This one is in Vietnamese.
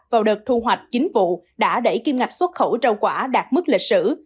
vào đợt thu hoạch chính vụ đã đẩy kim ngạch xuất khẩu rau quả đạt mức lịch sử